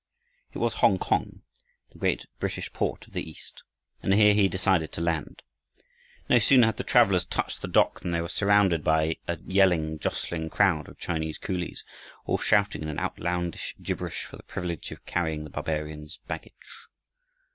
It was Hongkong, the great British port of the East, and here he decided to land. No sooner had the travelers touched the dock, than they were surrounded by a yelling, jostling crowd of Chinese coolies, all shouting in an outlandish gibberish for the privilege of carrying the Barbarians' baggage.